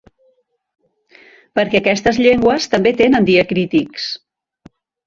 Perquè aquestes llengües també tenen diacrítics.